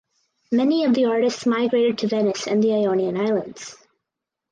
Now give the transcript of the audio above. Many of the artists migrated to Venice and the Ionian islands.